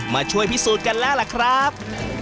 มาช่วยพิสูจน์กันแล้วล่ะครับ